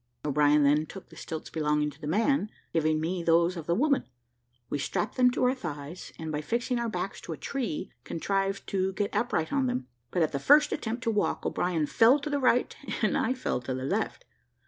O'Brien then took the stilts belonging to the man, giving me those of the woman. We strapped them to our thighs, and by fixing our backs to a tree, contrived to get upright upon them; but at the first attempt to walk, O'Brien fell to the right, and I fell to the left.